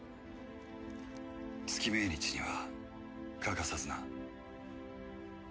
月命日には欠かさずな。